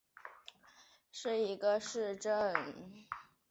索布拉迪纽是巴西巴伊亚州的一个市镇。